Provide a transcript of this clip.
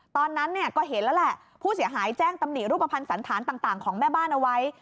ตอนนั้นเนี่ยก็เห็นแล้วแหละผู้เสียหายแจ้งตำหนิรูปภัณฑ์สันธารต่างของแม่บ้านเอาไว้